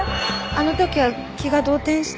あの時は気が動転して。